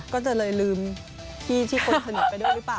ก็เลยลืมพี่ที่คนสนิทไปด้วยหรือเปล่า